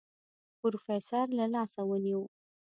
پروفيسر له لاسه ونيو.